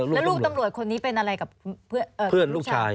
แล้วลูกตำรวจคนนี้เป็นอะไรกับเพื่อนลูกชาย